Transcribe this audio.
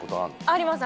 あります